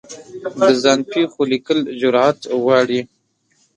د ځان پېښو لیکل جرعت غواړي.